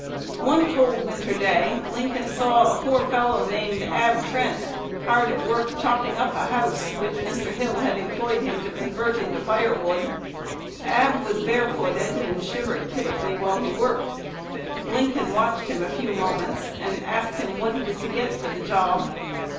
"One cold winter day, Lincoln saw a poor fellow named "Ab Trent" hard at work chopping up "a house," which Mr. Hill had employed him to convert into firewood. Ab was barefooted, and shivered pitifully while he worked. Lincoln watched him a few moments, and asked him what he was to get for the job.